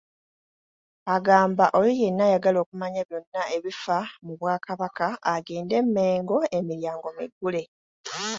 Agamba oyo yenna ayagala okumanya byonna ebifa mu Bwakabaka agende e Mmengo emiryango miggule.